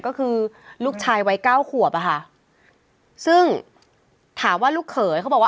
ก็คือลูกชายวัยเก้าขวบอะค่ะซึ่งถามว่าลูกเขยเขาบอกว่า